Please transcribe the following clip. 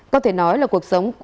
có thể nói là cuộc sống